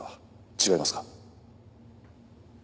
違いますか？